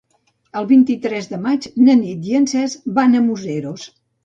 El vint-i-tres de maig na Nit i en Cesc van a Museros.